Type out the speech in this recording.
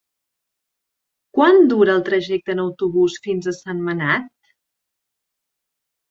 Quant dura el trajecte en autobús fins a Sentmenat?